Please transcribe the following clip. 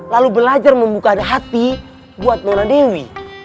lalu belajar membuka hati buat nora dewi